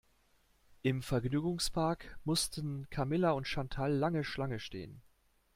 Im Vergnügungspark mussten Camilla und Chantal lange Schlange stehen.